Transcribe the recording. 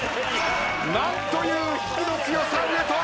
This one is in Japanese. なんという引きの強さ上戸彩！